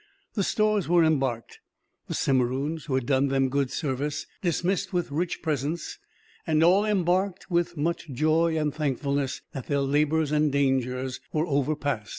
The stores were embarked; the Simeroons, who had done them good service, dismissed with rich presents; and all embarked, with much joy and thankfulness that their labors and dangers were overpast.